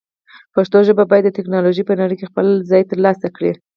پښتو ژبه باید د ټکنالوژۍ په نړۍ کې خپل ځای ترلاسه کړي.